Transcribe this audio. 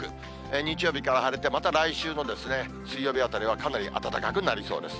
日曜日から晴れて、また来週の水曜日あたりは、かなり暖かくなりそうです。